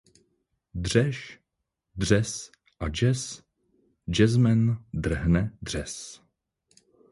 Dřeš dřez a jazz, jazzman drhne dřez.